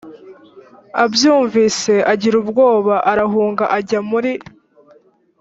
abyumvise agira ubwoba arahunga ajya muri